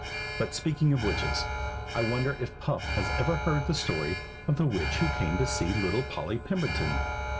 But speaking of witches, I wonder if Puff has ever heard the story of the witch who came to see little Polly Pemberton.